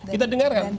kita dengar kan